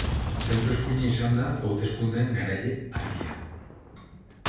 Zentro eskuina izan da hauteskundeen garaile argia.